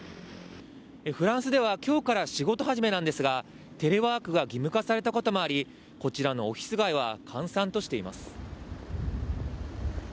フランスでは今日から仕事始めなんですがテレワークが義務化されたこともありこちらのオフィス街は閑散としています。